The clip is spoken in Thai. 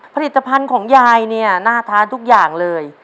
ผลิตภัณฑ์ของยายเนี่ยน่าทานทุกอย่างเลย